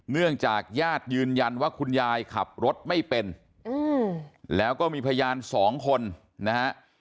เนื่องจากญาติยืนยันว่าคุณยายขับรถไม่เป็นแล้วก็มีพยานสองคนนะฮะ